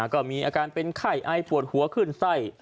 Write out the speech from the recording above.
ก็มีอาการเป็นไข้ไอปวดหัวขึ้นไส้